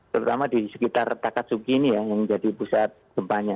terutama di sekitar takat suki ini yang jadi pusat gempanya